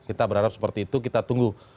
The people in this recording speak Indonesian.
kita berharap seperti itu kita tunggu